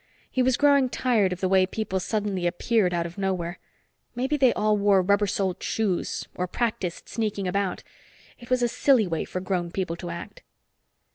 He was growing tired of the way people suddenly appeared out of nowhere. Maybe they all wore rubber soled shoes or practiced sneaking about; it was a silly way for grown people to act.